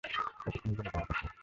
এতক্ষণে জেনে যাওয়ার কথা।